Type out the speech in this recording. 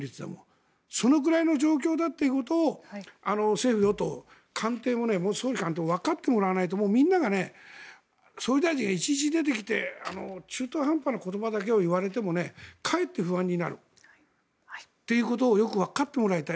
そのくらいの状況だということを政府・与党総理官邸わかってもらわないとみんなが総理大臣がいちいち出てきて中途半端な言葉だけを言われてもかえって不安になるということをよくわかってもらいたい。